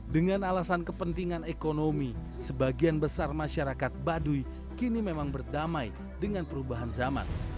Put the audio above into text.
dengan alasan kepentingan ekonomi sebagian besar masyarakat baduy kini memang berdamai dengan perubahan zaman